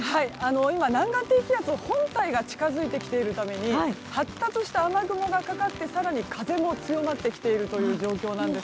今、南岸低気圧の本体が近づいてきているために発達した雨雲がかかって更に風も強まってきているという状況なんです。